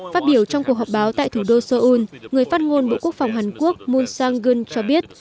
phát biểu trong cuộc họp báo tại thủ đô seoul người phát ngôn bộ quốc phòng hàn quốc moon sang geun cho biết